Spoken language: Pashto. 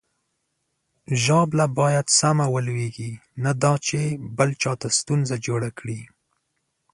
ژاوله باید سمه ولویږي، نه دا چې بل چاته ستونزه جوړه کړي.